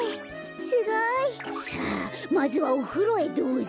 すごい。さあまずはおふろへどうぞ。